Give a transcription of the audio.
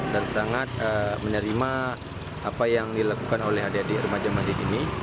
dan sangat menerima apa yang dilakukan oleh adik adik remaja masjid ini